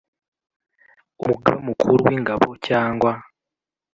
Umugaba Mukuru w Ingabo cyangwa